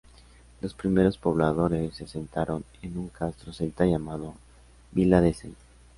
Los primeros pobladores se asentaron en un Castro Celta llamado Vila de Sen.